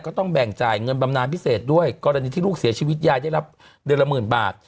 ก็ต้องแบ่งจ่ายเงินบำนานพิเศษด้วยกรณีที่ลูกเสียชีวิตยายได้รับเดือนละหมื่นบาท